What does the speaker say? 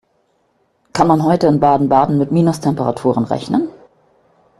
Kann man heute in Baden-Baden mit Minustemperaturen rechnen?